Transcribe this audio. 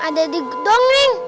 ada di dongeng